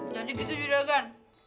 jadi gitu juragan